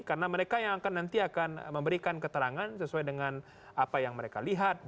karena mereka yang akan nanti akan memberikan keterangan sesuai dengan apa yang mereka lihat